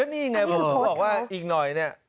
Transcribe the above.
นี่ไงผมเขาบอกว่าอีกหน่อยเนี่ย